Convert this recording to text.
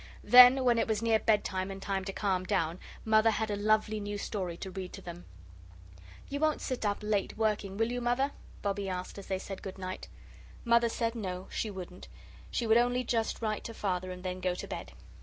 Then, when it was near bed time and time to calm down, Mother had a lovely new story to read to them. "You won't sit up late working, will you, Mother?" Bobbie asked as they said good night. And Mother said no, she wouldn't she would only just write to Father and then go to bed.